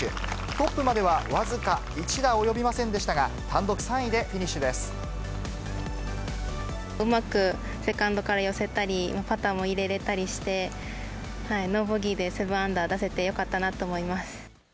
トップまでは僅か１打及びませんでしたが、単独３位でフィニッシうまくセカンドから寄せたり、パターも入れれたりして、ノーボギーで７アンダー出せてよかったなと思います。